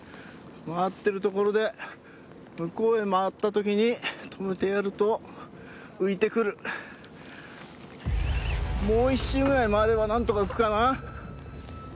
回ってるところで向こうへ回ったときに止めてやると浮いてくるもう１周ぐらい回れば何とか浮くかな